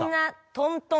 トントン？